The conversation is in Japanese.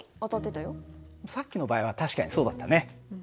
さっきの場合は確かにそうだったね。